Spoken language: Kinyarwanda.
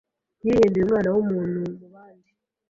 Yihinduye umwana w’umuntu mu bandi.